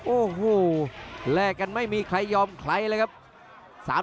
โอ้โหแลกกันไม่มีใครยอมใครเลยครับ